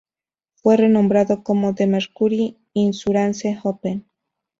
Fue renombrado como The Mercury Insurance Open.